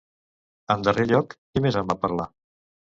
En darrer lloc, qui més en va parlar?